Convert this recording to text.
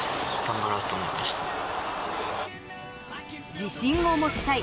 自信を持ちたい。